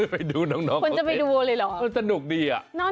ไปดูน้องคุณจะไปดูเลยเหรอ